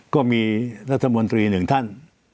ก็มีรัฐมนตรีหนึ่งท่าน